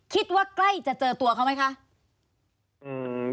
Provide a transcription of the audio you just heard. คิดว่าใกล้จะเจอตัวเขาไหมคะ